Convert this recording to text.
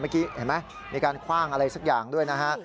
เมื่อกี้เห็นไหมมีการคว่างอะไรสักอย่างด้วยนะฮะ